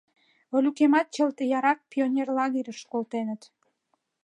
— Олюкемат чылт ярак пионерлагерьыш колтеныт.